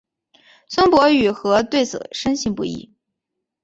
孙傅与何对此深信不疑。